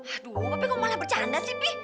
aduh tapi kok malah bercanda sih pi